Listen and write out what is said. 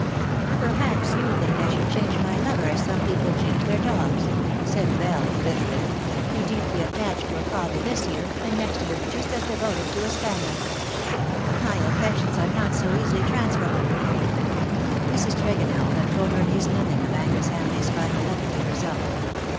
''" Perhaps you think I could change my lover as some people change their dogs," said Belle, bitterly, " be deeply attached to a colley this year and next year be just as devoted to a spaniel. My affections are not so easily transferable.'^ Mrs. Tregonell had told her niece nothing of Angus Hamleigh's final letter to herself.